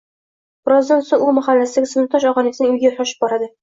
Birozdan so‘ng u mahallasidagi sinfdosh og‘aynisining uyiga shoshib borardi